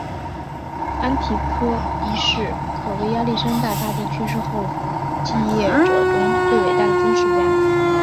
安提柯一世可谓亚历山大大帝去世后继业者中最伟大的军事家。